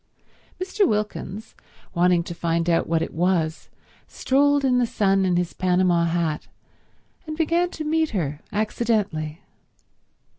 Mr. Wilkins, wanting to find out what it was, strolled in the sun in his Panama hat, and began to meet her accidentally.